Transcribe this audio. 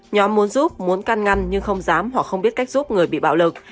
nhóm muốn giúp muốn can ngăn nhưng không dám hoặc không biết cách giúp người bị bạo lực